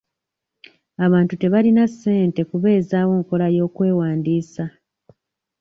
Abantu tebalina ssente kubeezawo nkola y'okwewandiisa.